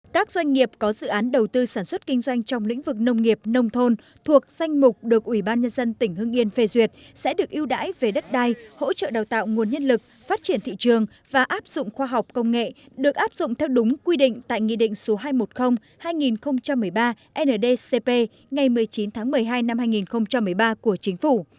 các doanh nghiệp có dự án đầu tư sản xuất kinh doanh trong lĩnh vực nông nghiệp nông thôn thuộc danh mục được ủy ban nhân dân tỉnh hương yên phê duyệt sẽ được ưu đãi về đất đai hỗ trợ đào tạo nguồn nhân lực phát triển thị trường và áp dụng khoa học công nghệ được áp dụng theo đúng quy định tại nghị định số hai trăm một mươi hai nghìn một mươi ba ndcp ngày một mươi chín tháng một mươi hai năm hai nghìn một mươi ba của chính phủ